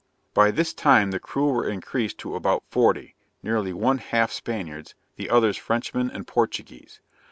By this time the crew were increased to about forty, nearly one half Spaniards, the others Frenchmen and Portuguese.